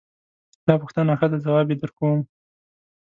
د تا پوښتنه ښه ده ځواب یې درکوم